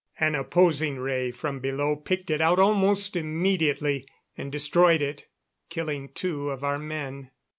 An opposing ray from below picked it out almost immediately, and destroyed it, killing two of our men.